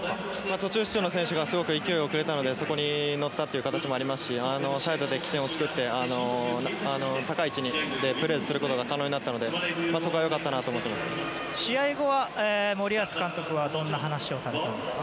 途中出場の選手が勢いをくれたのでそこに乗ったという形もありますしサイドで起点を作って高い位置でプレーすることが可能になったので試合後は森保監督はどんな話をされたんですか？